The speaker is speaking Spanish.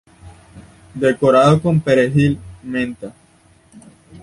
Decorado con perejil, menta.